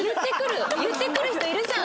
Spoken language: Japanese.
言ってくる人いるじゃん。